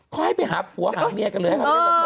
คอยไปหาหัวหังเลี้ยงกันเลยอ๋อ